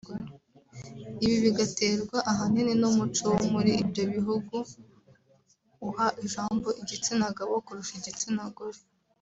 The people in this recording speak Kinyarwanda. ibi bigaterwa ahanini n’umuco wo muri ibyo bihugu uha ijambo igitsina gabo kurusha igitsina gore